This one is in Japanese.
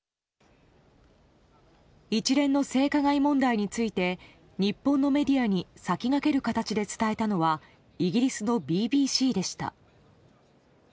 一連の性加害問題について日本のメディアに先駆ける形で伝えたのはイギリスのＢＢＣでした。